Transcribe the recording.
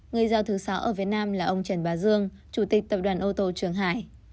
người giao thứ sáu ở việt nam là ông trần bà dương chủ tịch tập đoàn ô tô trường hải